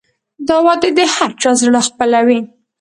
دا وعدې د هر چا زړه خپلوي.